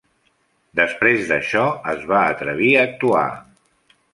Després d'això, es va atrevir a actuar.